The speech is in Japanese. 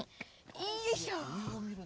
よいっしょ！